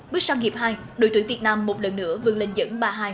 bước sang hiệp hai đội tuyển việt nam một lần nữa vươn lên dẫn ba hai